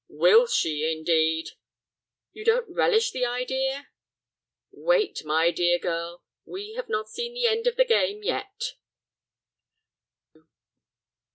"Will she—indeed!" "You don't relish the idea?" "Wait, my dear girl; we have not seen the end of the game yet."